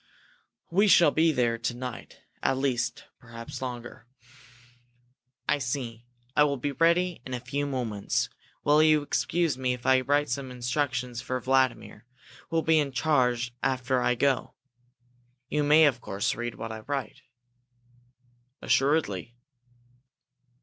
We shall be there to night, at least, perhaps longer." "I see. I will be ready in a few moments. Will you excuse me if I write some instructions for Vladimir, who will be in charge after I go? You may, of course, read what I write." "Assuredly."